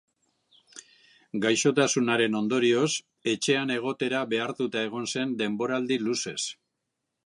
Gaixotasunaren ondorioz, etxean egotera behartuta egon zen denboraldi luzez.